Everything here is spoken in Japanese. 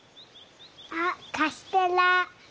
あっカステラ！